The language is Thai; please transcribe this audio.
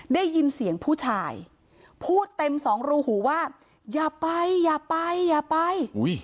ได้ยินเสียงผู้ชายพูดเต็มสองรูหูว่าอย่าไปอย่าไปอย่าไป